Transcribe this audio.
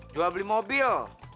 jual beli mobil